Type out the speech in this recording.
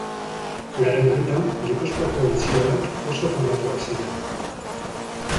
Garai honetan Gipuzkoako ontziolak oso famatuak ziren.